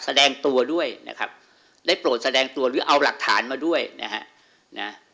แสดงตัวด้วยนะครับได้โปรดแสดงตัวหรือเอาหลักฐานมาด้วยนะฮะ